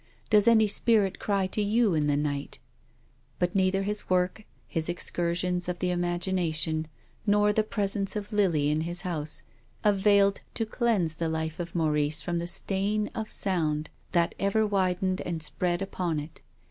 Does any spirit cry to you in the night?" But neither THE LIVING CHILD. 237 his work, his excursions of the imagination, nor the presence of Lily in his house, availed to cleanse the Hfe of Maurice from the stain of sound, that ever widened and spread upon it.